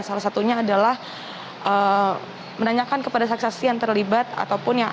salah satunya adalah menanyakan kepada saksasi yang terlibat ataupun yang